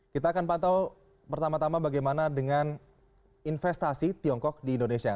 kita akan pantau pertama tama bagaimana dengan investasi tiongkok di indonesia